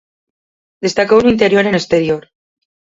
Destacou no interior e no exterior.